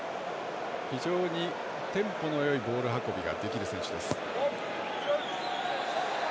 非常にテンポのよいボール運びができる選手です。